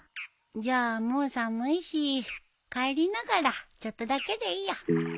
じゃあもう寒いし帰りながらちょっとだけでいいよ。